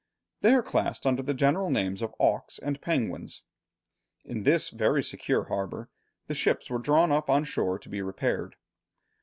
They are classed under the general names of auks and penguins. In this very secure harbour, the ships were drawn up on shore to be repaired.